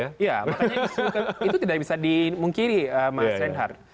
ya makanya itu tidak bisa dimungkiri mas reinhardt